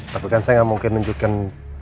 tapi kan saya nggak mungkin nunjukkan